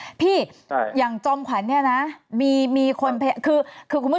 นะพี่อย่างจมขันนี้นะมีคนคือคือคุณผู้